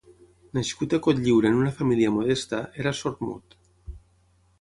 Nascut a Cotlliure en una família modesta, era sord-mut.